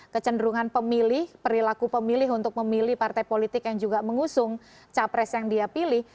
kecenderungan pemilih perilaku pemilih untuk memilih partai politik yang juga mengusung capres yang dia pilih